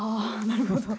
なるほど。